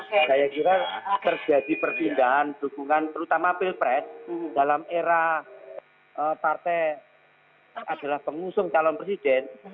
saya kira terjadi perpindahan dukungan terutama pilpres dalam era partai adalah pengusung calon presiden